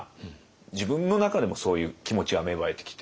自分の中でもそういう気持ちは芽生えてきて。